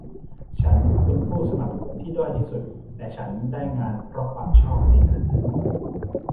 ฉันเป็นผู้สมัครที่ด้อยที่สุด แต่ฉันได้งานเพราะความชอบในงานนั้น